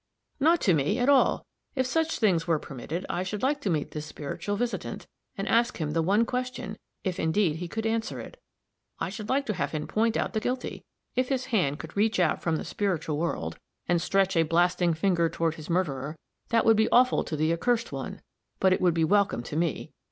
"Not to me, at all. If such things were permitted, I should like to meet this spiritual visitant, and ask him the one question if, indeed, he could answer it. I should like to have him point out the guilty. If his hand could reach out from the spiritual world, and stretch a blasting finger toward his murderer, that would be awful to the accursed one, but it would be welcome to me.